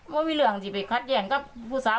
ไม่มีเรื่องจริงไปคัดแย้งกับผู้สาว